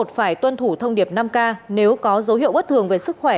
f một phải tuân thủ thông điệp năm k nếu có dấu hiệu bất thường về sức khỏe